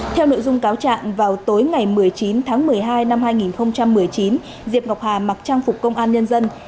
theo nội dung cáo trạng vào tối ngày một mươi chín tháng một mươi hai năm hai nghìn một mươi chín diệp ngọc hà mặc trang phục công an nhân dân